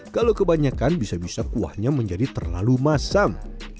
kalau kebanyakan bisa bisa kuahnya menjadi terlalu masam